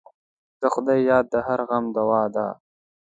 د خدای یاد د هرې غم دوا ده.